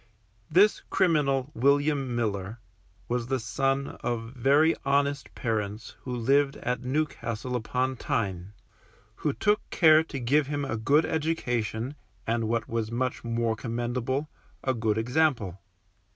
This criminal William Miller, was the son of very honest parents who lived at Newcastle upon Tyne, who took care to give him a good education, and what was much more commendable, a good example.